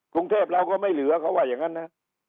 กรุงเทพเราก็ไม่เหลือเขาว่าอย่างนั้นนะ